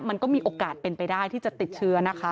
มันก็มีโอกาสเป็นไปได้ที่จะติดเชื้อนะคะ